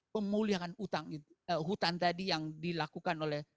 pemulihan hutan tadi yang dilakukan oleh